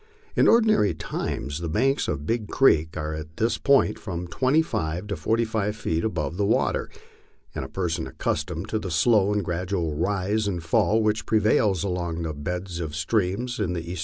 In ordinary times the banks of Big Creek are at this point from twenty five to forty feet above the water, and a person accustomed to the slow and gradual rise and fall which prevails along the beds of streams in the Eas!